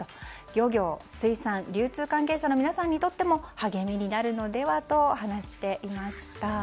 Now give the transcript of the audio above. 漁業・水産・流通関係者の皆さんにとっても励みになるのではと話していました。